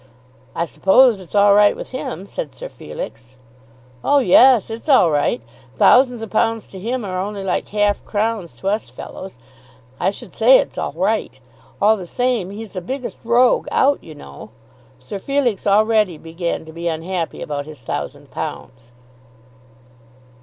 "I suppose it's all right with him," said Sir Felix. "Oh yes; it's all right. Thousands of pounds to him are only like half crowns to us fellows. I should say it's all right. All the same, he's the biggest rogue out, you know." Sir Felix already began to be unhappy about his thousand pounds.